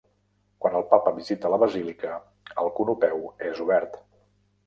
Quan el papa visita la basílica, el conopeu és obert.